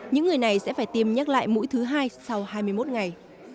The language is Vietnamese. những người này sẽ phải tiêm nhắc lại mũi thứ hai sau hai mươi một ngày